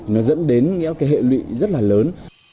nó dẫn đến cái hệ lụy rất là lớn